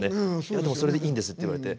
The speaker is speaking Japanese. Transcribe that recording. でも「それでいいんです」って言われて。